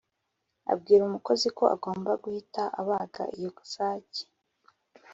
abwira umukozi ko agomba guhita abaga iyo sake.